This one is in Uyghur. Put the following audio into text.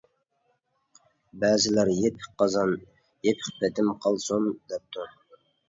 بەزىلەر يېپىق قازان يېپىق پېتىم قالسۇن دەپتۇ.